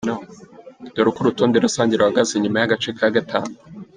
Dore uko urutonde rusange ruhagaze nyuma y’agace ka gatanu .